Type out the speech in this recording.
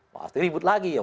pasti ribut lagi